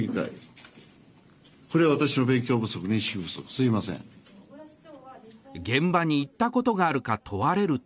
しかし現場に行ったことがあるか問われると